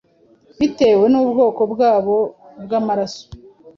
bitewe n’ubwoko bwabo bw’amaraso.